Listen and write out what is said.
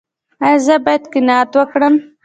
ایا زه باید قناعت وکړم؟